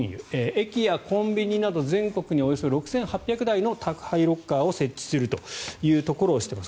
駅やコンビニなど全国におよそ６８００台の宅配ロッカーを設置するということをしています。